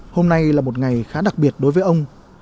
hôm nay là một ngày khá đặc biệt đối với ông